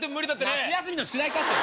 夏休みの宿題か！